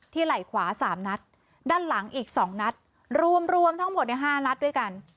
ไหล่ขวาสามนัดด้านหลังอีก๒นัดรวมรวมทั้งหมดในห้านัดด้วยกัน